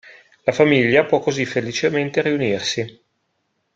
La famiglia può così felicemente riunirsi.